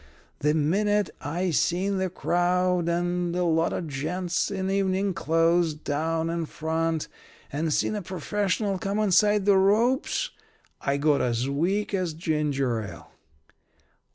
The minute I seen the crowd and a lot of gents in evening clothes down in front, and seen a professional come inside the ropes, I got as weak as ginger ale.